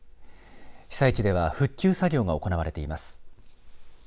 被災地では復旧作業が行われています。